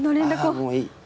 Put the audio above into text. あもういい。